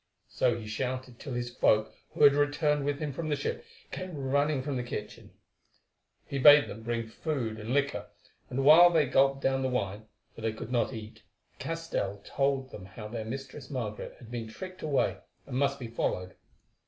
So he shouted till his folk, who had returned with him from the ship, came running from the kitchen. He bade them bring food and liquor, and while they gulped down the wine, for they could not eat, Castell told how their Mistress Margaret had been tricked away, and must be followed.